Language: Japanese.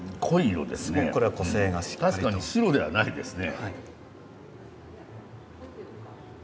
確かに白ではないですね。